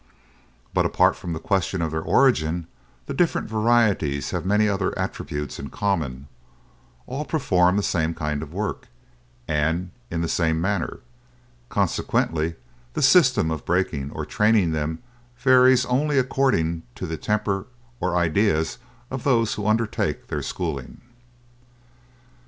But, apart from the question of their origin, the different varieties have many other attributes in common; all perform the same kind of work, and in the same manner; consequently the system of breaking or training them varies only according to the temper or ideas of those who undertake their schooling.